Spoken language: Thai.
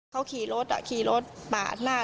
เขาขี่รถขี่รถปาดหน้า